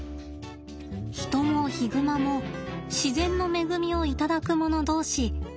ヒトもヒグマも自然の恵みを頂くもの同士